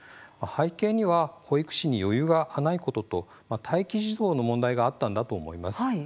背景には保育士に余裕がないことと待機児童の問題があったんだと思います。